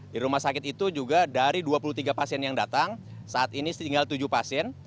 di rumah sakit itu juga dari dua puluh tiga pasien yang datang saat ini tinggal tujuh pasien